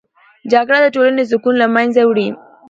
جګړه د ټولنې سکون له منځه وړي